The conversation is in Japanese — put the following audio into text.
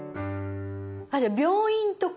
じゃあ病院とか。